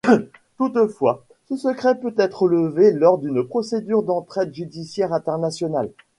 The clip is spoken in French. Toutefois, ce secret peut être levé lors d'une procédure d'entraide judiciaire internationale.